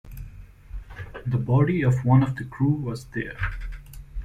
The body of one of the crew was there.